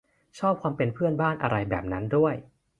ชอบความเป็นเพื่อนบ้านอะไรแบบนั้นด้วย